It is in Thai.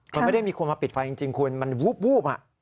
เธอไม่ได้มีความปิดไฟจริงคุณมันวูบอะ